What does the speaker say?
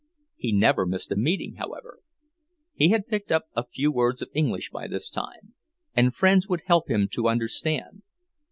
He never missed a meeting, however. He had picked up a few words of English by this time, and friends would help him to understand.